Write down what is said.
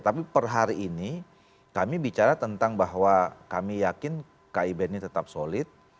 tapi per hari ini kami bicara tentang bahwa kami yakin kib ini tetap solid